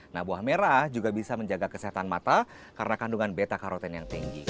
nah buah merah juga bisa menjaga kesehatan mata karena kandungan beta karoten yang tinggi